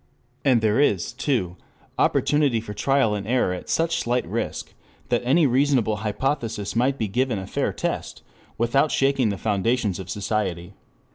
And there is, too, opportunity for trial and error at such slight risk that any reasonable hypothesis might be given a fair test without shaking the foundations of society.